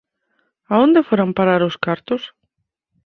A onde foran parar os cartos?